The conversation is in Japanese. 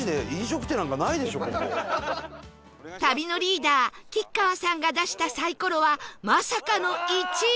旅のリーダー吉川さんが出したサイコロはまさかの「１」